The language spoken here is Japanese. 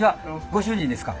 ご主人ですか？